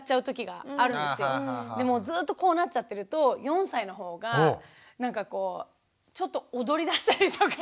もうずっとこうなっちゃってると４歳のほうがちょっと踊りだしたりとか。